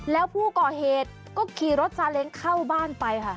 แล้วผู้ก่อเหตุก็ขี่รถซาเล้งเข้าบ้านไปค่ะ